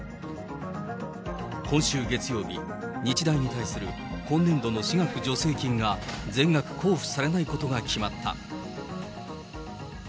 今週月曜日、日大に対する今年度の私学助成金が全額交付されないことが決まった。